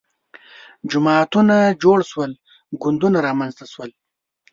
جماعتونه جوړ شول ګوندونه رامنځته شول